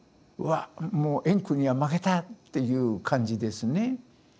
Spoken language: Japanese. うわっもう円空には負けたっていう感じですね。